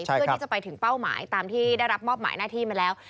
เพื่อที่จะไปถึงเป้าหมายตามที่ได้รับมอบหมายหน้าที่มาแล้ว